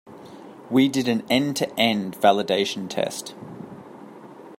We did an end-to-end validation test.